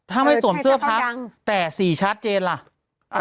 ถ้าไม่สวมเสื้อพักแต่สีชัดเจนล่ะ